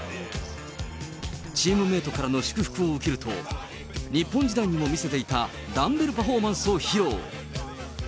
チームメートからの祝福を受けると、日本時代にも見せていたダンベルパフォーマンスを披露。